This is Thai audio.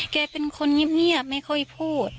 แกเป็นคนเงียบไม่ค่อยพูด